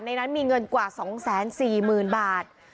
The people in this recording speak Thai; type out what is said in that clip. ในนั้นมีเงินกว่า๒๔๐๐๐บาท